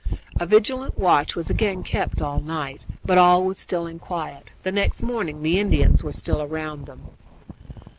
A vigilant watch was again kept up all night, but all was still and quiet. The next morning the Indians were still round them.